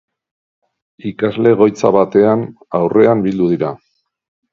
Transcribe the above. Ikasle-egoitza batean aurrean bildu dira.